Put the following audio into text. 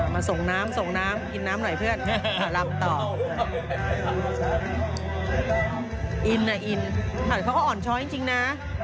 ส่งน้ำส่งน้ำกินน้ำหน่อยเพื่อนลำต่ออินน่ะอินเขาก็อ่อนช้อยจริงนะ